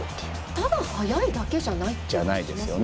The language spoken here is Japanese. ただ速いだけじゃないということですね。